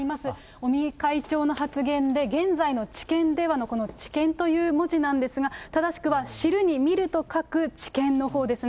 尾身会長の発言で、現在の治験ではの治験という文字なんですが、正しくは知るに見ると書く知見のほうですね。